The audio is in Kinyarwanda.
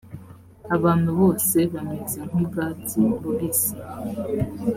abantu bose bameze nkubwatsi bubisi .